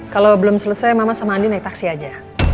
kalau belum selesai mama sama andi naik taksi aja